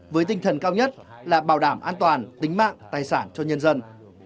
với tinh thần cao nhất là bảo đảm an toàn tính mạng tài sản cho nhân dân